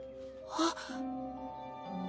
あっ。